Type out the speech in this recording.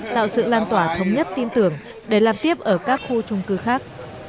tạo sự lan tỏa thống nhất tin tưởng để làm tiếp ở các khu trung cư khác